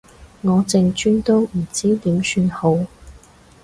我淨專都唔知點算好